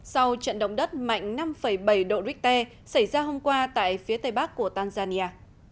sau trận động đất mạnh năm bảy độ richter xảy ra hôm qua tại phía tây bắc của tanzania